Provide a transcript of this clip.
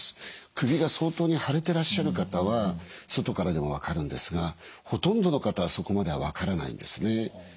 首が相当に腫れてらっしゃる方は外からでも分かるんですがほとんどの方はそこまでは分からないんですね。